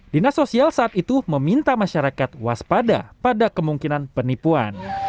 dinas sosial saat itu meminta masyarakat waspada pada kemungkinan penipuan